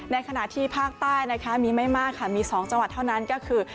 ในขณะที่ภาคใต้นะคะมีไม่มากค่ะมี๒จังหวัดเท่านั้นก็คือ